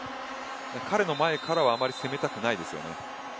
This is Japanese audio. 彼の前からはあんまり攻めたくないですよね。